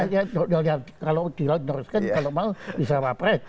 ya ya kalau diteruskan kalau mau bisa wapret